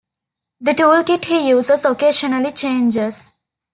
The toolkit he uses occasionally changes.